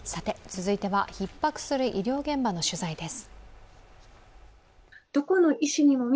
続いてはひっ迫する医療現場の取材です。